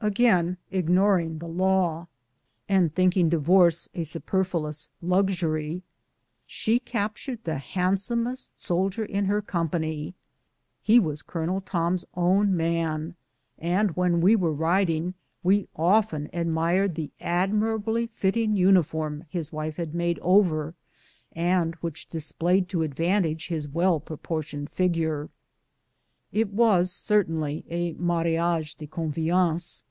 Again ignoring the law, and thinking divorce a super fluous luxury, she captured the handsomest soldier in his company. He was Colonel Tom's own man, and when wc were riding we often admired the admirably fitting uniform liis wife had made over, and which displayed to advantage his well proportioned figure. It was cer tainly a mariage de conveyance.